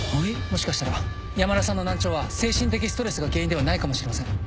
もしかしたら山田さんの難聴は精神的ストレスが原因ではないかもしれません。